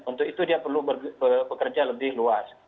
untuk itu dia perlu bekerja lebih luas